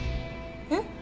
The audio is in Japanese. えっ？